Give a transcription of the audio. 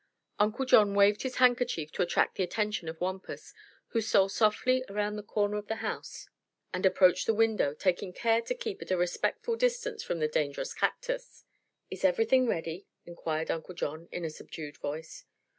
Uncle John waved his handkerchief to attract the attention of Wampus, who stole softly around the corner of the house and approached the window, taking care to keep at a respectful distance from the dangerous cactus. "Is everything ready?" inquired Uncle John in a subdued voice.